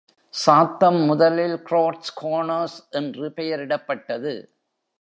சாத்தம் முதலில் Groat's Corners என்று பெயரிடப்பட்டது.